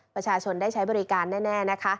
ประชาชนได้ใช้บริการแน่นะคะ